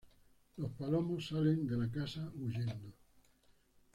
Los Palomos salen de la casa huyendo.